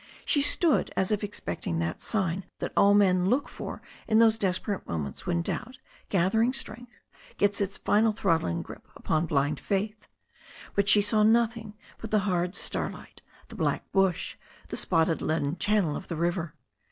She stood as if expecting that sign that all men look for in those desperate moments when doubt, gathering strength, gets its final throttling grip upon blind faith. But she saw nothing but the hard starlight, the black bush, the spotted leaden channel of the river.